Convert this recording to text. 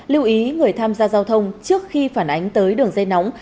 lưu ý người tham gia giao thông trước khi phản ánh tới đường dây nóng